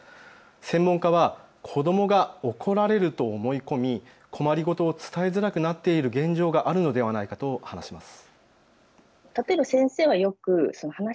専門家は子どもが怒られると思い込み、困り事を伝えづらくなっている現状があるのではないかと話します。